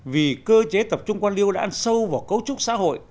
vì cơ chế tập trung quan liêu đã ăn sâu vào cấu trúc xã hội